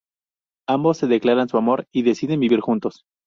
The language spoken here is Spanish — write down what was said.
Ambos se declaran su amor y deciden vivir juntos.